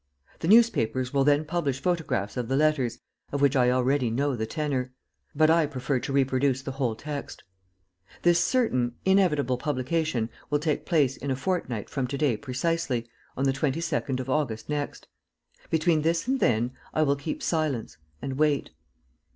"The newspapers will then publish photographs of the letters, of which I already know the tenor; but I prefer to reproduce the whole text. "This certain, inevitable publication will take place in a fortnight from to day precisely, on the 22nd of August next. "Between this and then I will keep silence ... and wait."